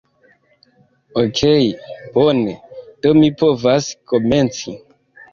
Okej bone, do mi povas komenci